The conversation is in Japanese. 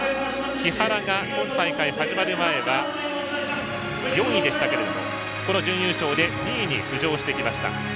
木原が今大会、始まる前は４位でしたけどもこの準優勝で２位に浮上してきました。